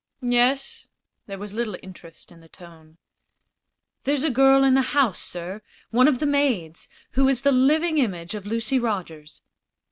"Yes?" There was little interest in the tone. "There's a girl in the house, sir, one of the maids, who is the living image of Lucy Rogers."